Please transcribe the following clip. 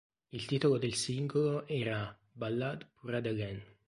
Il titolo del singolo era "Ballade pour Adeline".